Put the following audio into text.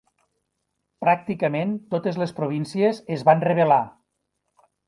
Pràcticament totes les províncies es van rebel·lar.